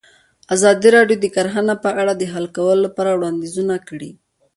ازادي راډیو د کرهنه په اړه د حل کولو لپاره وړاندیزونه کړي.